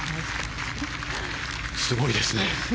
すごいですね。